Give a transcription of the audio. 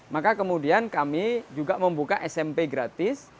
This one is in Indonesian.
maka kemudian kami juga membuka smp gratis